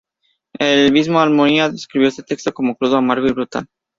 El mismo Almoina describió este texto como crudo, amargo y brutal.